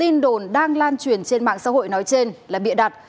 tin đồn đang lan truyền trên mạng xã hội nói trên là bịa đặt